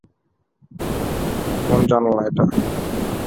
কোন জানালা এটা?